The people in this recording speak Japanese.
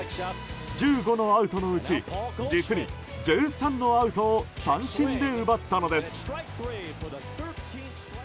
１５のアウトのうち実に１３のアウトを三振で奪ったのです。